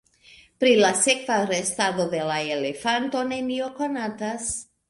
Pri la sekva restado de la elefanto nenio konatas.